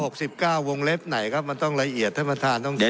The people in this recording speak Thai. เก้าวงเล็บไหนครับมันต้องละเอียดท่านประธานต้องเห็น